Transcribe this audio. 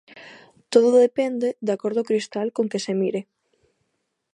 Todo depende da cor do cristal con que se mire.